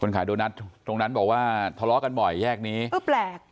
ขายโดนัทตรงนั้นบอกว่าทะเลาะกันบ่อยแยกนี้เออแปลก